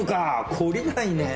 懲りないねえ。